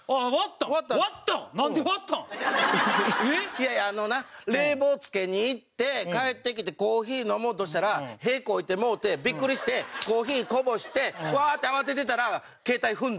いやいやあのな冷房つけに行って帰ってきてコーヒー飲もうとしたら屁こいてもうてビックリしてコーヒーこぼしてワーッて慌ててたら携帯踏んだ。